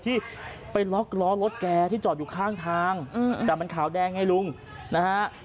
ที่ไปล็อกล้อรถแกที่จอดอยู่ข้างทางแต่มันขาวแดงไงลุงนะฮะ